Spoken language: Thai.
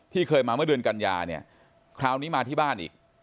เคยมาเมื่อเดือนกัญญาเนี่ยคราวนี้มาที่บ้านอีก